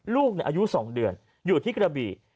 ลูกอายุ๒เดือนอยู่ที่กระบี่